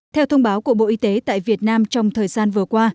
theo thông báo của bộ y tế tại việt nam trong thời gian vừa qua